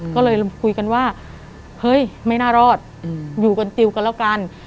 ก็เลยคุยกันว่าเฮ้ยไม่น่ารอดอยู่กันติวกันแล้วกัน